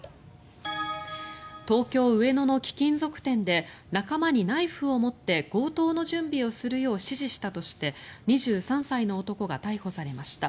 東京・上野の貴金属店で仲間にナイフを持って強盗の準備をするよう指示したとして２３歳の男が逮捕されました。